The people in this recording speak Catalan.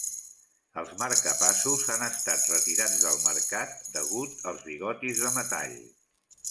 Els marcapassos han estat retirats del mercat degut als bigotis de metall.